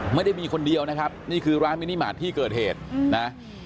ไม่ได้มีคนเดียวนะครับนี่คือร้านมินิมาตรที่เกิดเหตุนะ